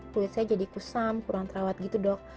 kulit saya jadi kusam kurang terawat gitu dok